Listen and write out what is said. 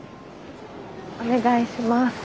お願いします。